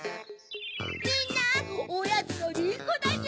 みんなおやつのリンゴだニャ！